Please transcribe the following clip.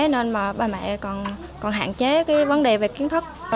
nên mà bà mẹ còn hạn chế cái vấn đề về kiến thức